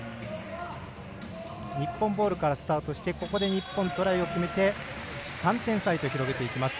日本ボールからスタートして日本トライを決めて３点差へと広げていきます。